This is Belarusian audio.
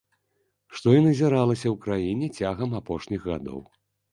Што і назіралася ў краіне цягам апошніх гадоў.